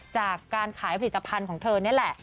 จากการขายผลิตภัณฑ์ของเธอนี่แหละ